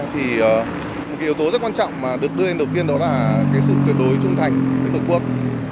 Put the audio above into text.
thì một yếu tố rất quan trọng mà được đưa lên đầu tiên đó là cái sự tuyệt đối trung thành với tổ quốc